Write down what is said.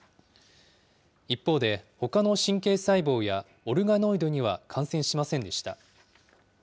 一方で、ほかの神経細胞やオルガノイドには感染しませんでした。